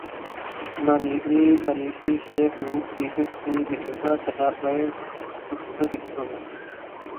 monetary policy شرح سود فیصد کی موجودہ سطح پر مستحکم